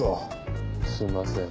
すいません。